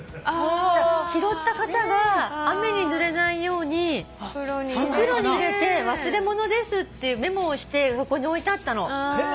拾った方が雨にぬれないように袋に入れて「忘れ物です」ってメモをしてそこに置いてあったの。